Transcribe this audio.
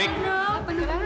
kembali gak an